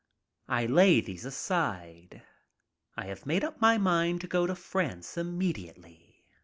I lay these aside. I have made up my mind to go to France immediately.